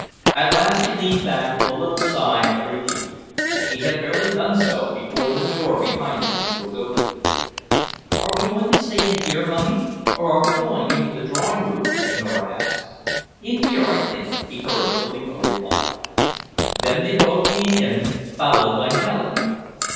At last he leaned back with a little sigh of relief. He had barely done so before the door behind him was opened. "Are we going to stay in here, Mummy, or are we going into the drawing room?" Nora asked. "In here, I think," he heard Philippa reply. Then they both came in, followed by Helen.